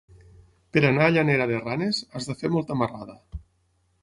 Per anar a Llanera de Ranes has de fer molta marrada.